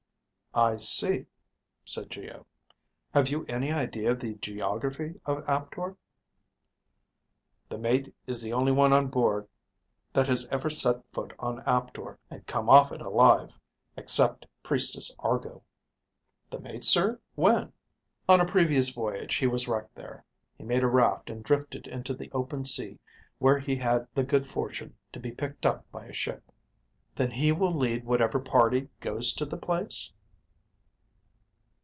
"I see," said Geo. "Have you any idea of the geography of Aptor?" "The mate is the only one on board that has ever set foot on Aptor and come off it alive. Except Priestess Argo." "The mate, sir? When?" "On a previous voyage he was wrecked there. He made a raft and drifted into the open sea where he had the good fortune to be picked up by a ship." "Then he will lead whatever party goes to the place?"